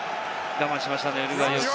我慢しました。